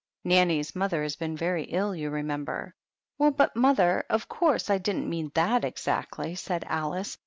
Nanny's mother has been very ill, you remember." "Well, but, mother, of course I didn't mean that exactly," said Alice.